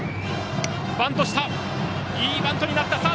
いいバントになった。